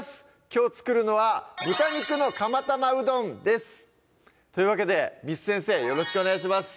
きょう作るのは「豚肉のかま玉うどん」ですというわけで簾先生よろしくお願いします